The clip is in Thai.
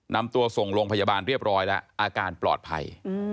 นำตัวส่งโรงพยาบาลเรียบร้อยแล้วอาการปลอดภัย